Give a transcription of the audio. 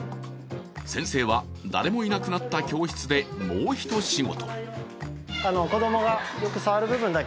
先生は、誰もいなくなった教室でもうひと仕事。